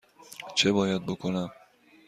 چه باید بکنم؟